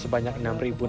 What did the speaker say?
sebanyak tiga rute